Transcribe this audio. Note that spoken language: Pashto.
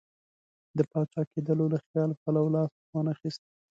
د پاچا کېدلو له خیال پلو لاس وانه خیست.